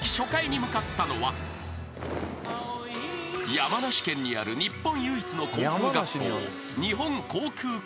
［山梨県にある日本唯一の航空学校］